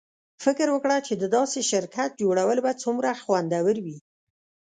فکر وکړه چې د داسې شرکت جوړول به څومره خوندور وي